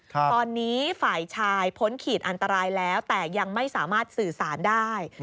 ตอนนี้ฝ่ายชายพ้นขีดอันตรายแล้วแต่ยังไม่สามารถสื่อสารได้